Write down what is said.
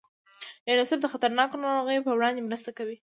یونیسف د خطرناکو ناروغیو په وړاندې مرسته کوي.